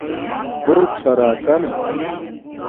کوک چھا راکانا